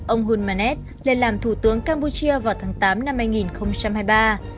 ông hulmanet lên làm thủ tướng campuchia vào tháng tám năm hai nghìn hai mươi ba